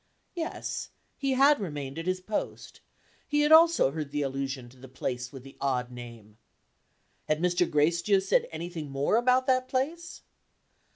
Yes; he had remained at his post; he had also heard the allusion to the place with the odd name. Had Mr. Gracedieu said anything more about that place?